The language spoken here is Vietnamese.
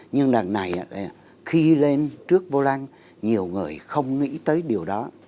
nhưng lần này khi lên trước vô lăng nhiều người không nghĩ tới điều đó